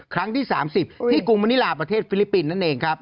ครั้งที่๓๐ที่กรุงมณิลาประเทศฟิลิปปินส์นั่นเองครับ